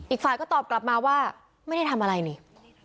อีกฝ่ายก็ตอบกลับมาว่าไม่ได้ทำอะไรนี่